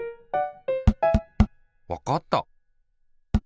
わかった！